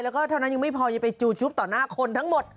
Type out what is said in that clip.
แล้วก็เท่านั้นยังไม่พอยังไปจูจุ๊บต่อหน้าคนทั้งหมด